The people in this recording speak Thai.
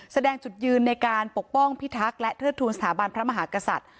แสดงจุดยืนในการปกป้องพิทักษ์และเทิดทูลสถาบันพระมหากษัตริย์